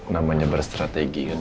namanya berstrategi kan